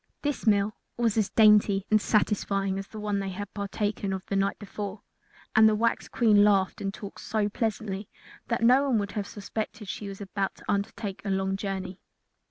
This meal was as dainty and satisfying as the one they had partaken of the night before, and the wax Queen laughed and talked so pleasantly that no one would have suspected she was about to undertake a long journey.